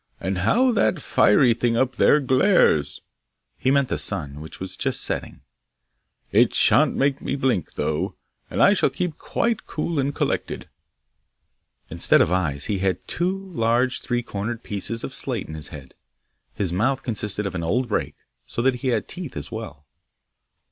And how that fiery thing up there glares!' He meant the sun, which was just setting. 'It sha'n't make me blink, though, and I shall keep quite cool and collected.' Instead of eyes he had two large three cornered pieces of slate in his head; his mouth consisted of an old rake, so that he had teeth as well.